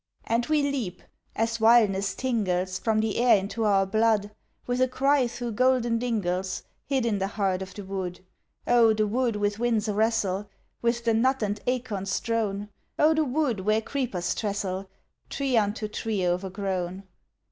And we leap as wildness tingles From the air into our blood With a cry thro' golden dingles Hid in the heart of the wood. Oh, the wood with winds a wrestle! With the nut and acorn strown! Oh, the wood where creepers trestle Tree unto tree o'ergrown!